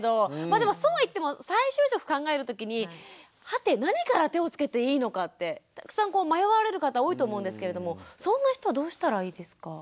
でもそうは言っても再就職考えるときにはて何から手をつけていいのかってたくさん迷われる方多いと思うんですけれどもそんな人はどうしたらいいですか？